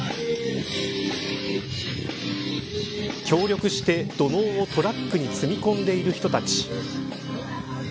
協力して土のうをトラックに詰め込んでいる人たち。